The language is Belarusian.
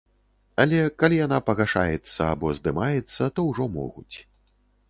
Але, калі яна пагашаецца або здымаецца, то ўжо могуць.